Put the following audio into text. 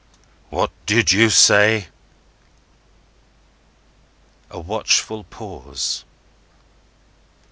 "What do you say?" A watchful pause.